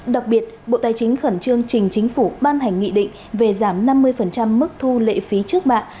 đặc biệt bộ tài chính khẩn trương trình chính phủ ban hành nghị định về giảm năm mươi mức thu lệ phí trước mạng